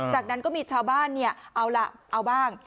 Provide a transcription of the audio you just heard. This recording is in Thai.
จากนั้นก็มีชาวบ้านเนี่ยเอาล่ะเอาบ้าง